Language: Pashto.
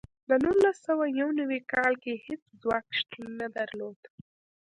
د نولس سوه یو نوي کال کې هېڅ ځواک شتون نه درلود.